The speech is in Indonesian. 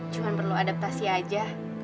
cuma perlu adaptasi aja